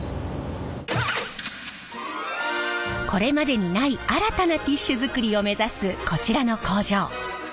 これまでにない新たなティッシュ作りを目指すこちらの工場。